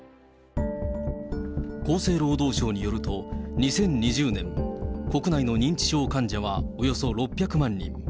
厚生労働省によると、２０２０年、国内の認知症患者はおよそ６００万人。